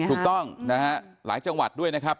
ถูกต้องนะฮะหลายจังหวัดด้วยนะครับ